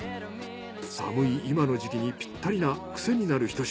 寒い今の時期にピッタリなクセになるひと品。